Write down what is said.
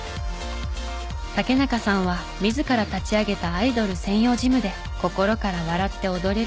竹中さんは自ら立ち上げたアイドル専用ジムで心から笑って踊れるアイドルを育てています。